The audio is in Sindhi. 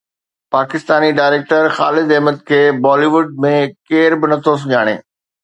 پاڪستاني ڊائريڪٽر خالد احمد کي بالي ووڊ ۾ ڪير به نٿو سڃاڻي